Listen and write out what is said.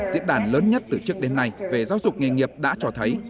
diễn đàn lớn nhất từ trước đến nay về giáo dục nghề nghiệp đã cho thấy